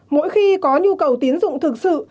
mỗi khi có nhu cầu tín dụng thực sự